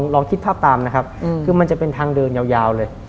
ลองคิดภาพตามนะครับคือมันจะเป็นทางเดินยาวเลย